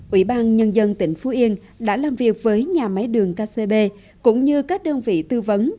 ủy ban nhân dân tỉnh phú yên đã làm việc với nhà máy đường kcb cũng như các đơn vị tư vấn